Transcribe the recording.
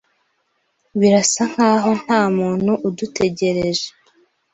Birasa nkaho ntamuntu udutegereje.